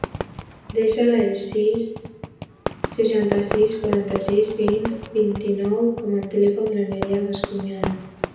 Desa el sis, seixanta-sis, quaranta-sis, vint, vint-i-u com a telèfon de la Nerea Bascuñana.